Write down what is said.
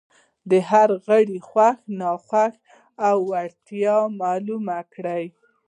د هر غړي خوښې، ناخوښې او وړتیاوې معلومې کړئ.